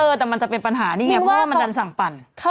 แต่มันจะเป็นปัญหานี่ไงเพราะว่ามันดันสั่งปั่น